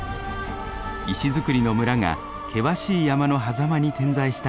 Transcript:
石造りの村が険しい山のはざまに点在した地域です。